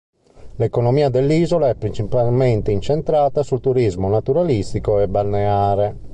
L'economia dell'isola è principalmente incentrata sul turismo naturalistico e balneare.